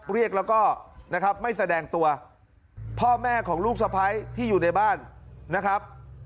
เรียกแล้วก็นะครับไม่แสดงตัวพ่อแม่ของลูกสะพ้ายที่อยู่ในบ้านนะครับ